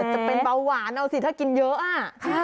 จะเป็นเบาหวานเอาสิถ้ากินเยอะอะ